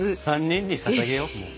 ３人にささげようもう。